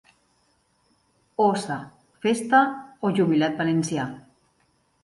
Óssa, festa o jubilat valencià.